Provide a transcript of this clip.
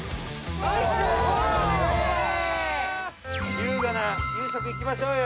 優雅な夕食いきましょうよ。